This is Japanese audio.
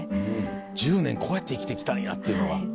１０年こうやって生きてきたんやっていうのが。